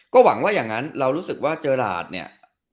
ก็หวังว่าอย่างนั้นเรารู้สึกว่าเจอหลาดเนี่ย